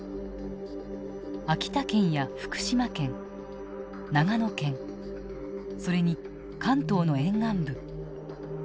秋田県や福島県長野県それに関東の沿岸部。